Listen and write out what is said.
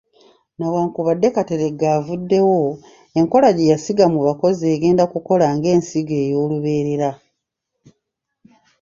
Newankubadde Kateregga avuddewo, enkola gye yasiga mu bakozi egenda kukola ng’ensigo ey’olubeerera.